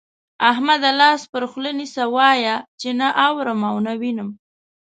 احمده! لاس پر خوله نيسه، وايه چې نه اورم او نه وينم.